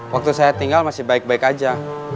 waktu saya tinggal masih baik baik aja